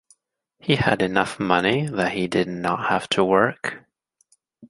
He had enough money that he did not have to work.